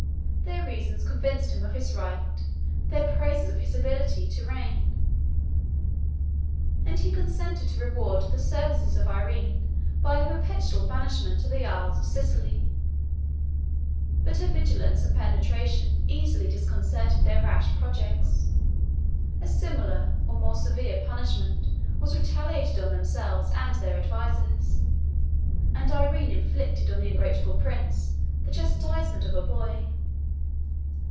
Their reasons convinced him of his right, their praises of his ability, to reign; and he consented to reward the services of Irene by a perpetual banishment to the Isle of Sicily. But her vigilance and penetration easily disconcerted their rash projects: a similar, or more severe, punishment was retaliated on themselves and their advisers; and Irene inflicted on the ungrateful prince the chastisement of a boy.